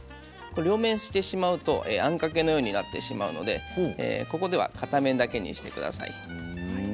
両面してしまうと、あんかけのようになってしまうのでここでは片面だけにしてください。